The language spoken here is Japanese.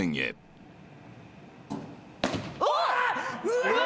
うわ！